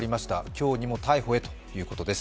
今日にも逮捕へということです。